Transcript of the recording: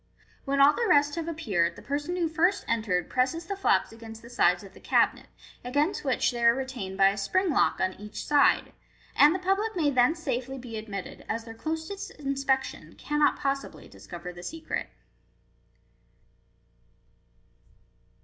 When all the rest have appeared, the person who first entered presses the flaps against the sides of the cabinet, against which they are regained by a spring lock on each side, and the public may then safely be admitted, as their closest inspection cannot possibly discover the secret.